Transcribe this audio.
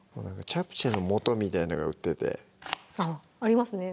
チャプチェのもとみたいなのが売っててありますね